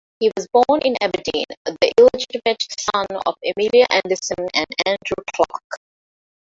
He was born in Aberdeen, the illegitimate son of Amelia Anderson and Andrew Clark.